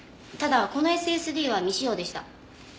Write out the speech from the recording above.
ただこのＳＳＤは未使用でした。